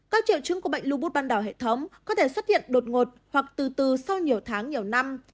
các triệu chứng của bệnh lưu bút ban đầu hệ thống có thể xuất hiện đột ngột hoặc từ từ sau nhiều tháng nhiều năm